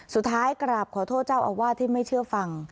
กราบขอโทษเจ้าอาวาสที่ไม่เชื่อฟัง